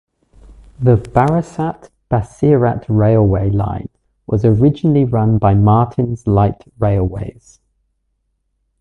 The Barasat - Basirhat Railway line was originally run by Martin's Light Railways.